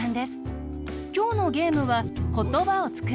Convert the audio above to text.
きょうのゲームは「ことばをつくろう」。